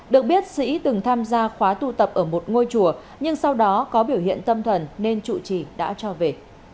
được biết sĩ từng tham gia khóa tu tập ở một ngôi chùa nhưng sau đó có biểu hiện tâm thần nên trụ trì đã cho về